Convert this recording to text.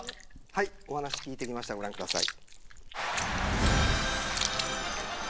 はい、お話聞いてきましたご覧ください。